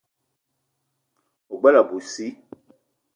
O gbele abui sii.